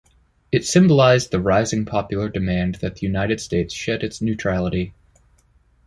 It symbolized the rising popular demand that the United States shed its neutrality.